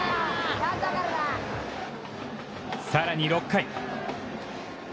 さらに６回。